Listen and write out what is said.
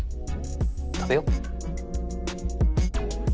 食べよう。